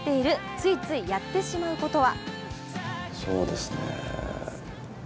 ついついやってしまうことは？